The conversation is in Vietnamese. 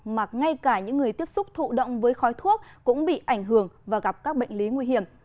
mà ngay cả những người tiếp xúc thụ động với khói thuốc cũng bị ảnh hưởng và gặp các bệnh lý nguy hiểm